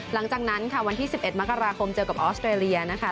หลังจากนั้นค่ะวันที่๑๑มกราคมเจอกับออสเตรเลียนะคะ